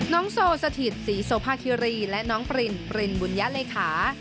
น้องโซสถิตศรีโสภาพิรีและน้องปรินปรินบุญยะเลขา